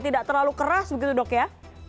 tidak terlalu keras begitu dok ya